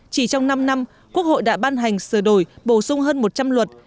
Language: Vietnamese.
chỉ trong năm năm quốc hội đã ban hành sửa đổi bổ sung hơn một trăm linh luật